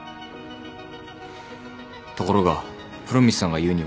ところが風呂光さんが言うには。